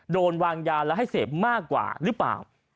โดนวางยาและให้เสพมากกว่าหรือเปล่า